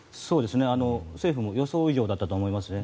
政府も予想以上だったと思いますね。